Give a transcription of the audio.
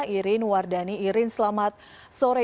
iren wardani iren selamat sore